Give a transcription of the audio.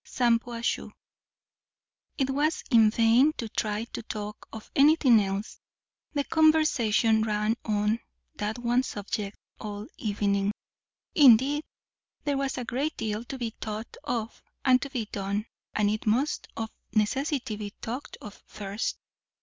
SHAMPUASHUH. It was in vain to try to talk of anything else; the conversation ran on that one subject all the evening. Indeed, there was a great deal to be thought of and to be done, and it must of necessity be talked of first.